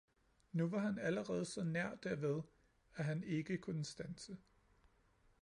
Nu var han allerede så nær derved, at han ikke kunne standse.